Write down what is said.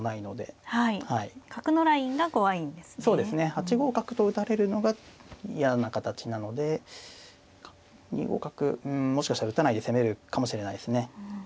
８五角と打たれるのが嫌な形なので２五角うんもしかしたら打たないで攻めるかもしれないですね。